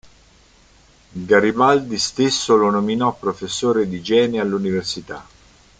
Garibaldi stesso lo nominò professore di Igiene all'Università.